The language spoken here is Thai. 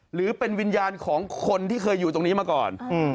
หรือเป็นวิญญาณของคนที่เคยอยู่ตรงนี้มาก่อน